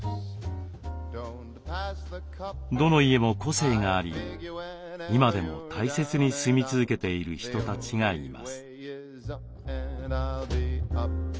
どの家も個性があり今でも大切に住み続けている人たちがいます。